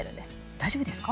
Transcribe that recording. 大丈夫ですか？